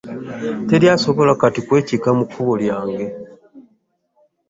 Teri asobola kati kwekiika mu kkubo lyange.